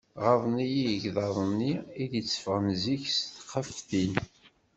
Ɣaḍen-iyi igḍaḍ-nni i d-ṭṭfeɣ zik s txeftin.